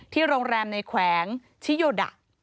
โรงแรมในแขวงชิโยดะ